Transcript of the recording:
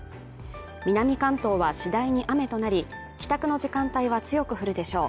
南関東は次第に雨となり、帰宅の時間帯は強く降るでしょう。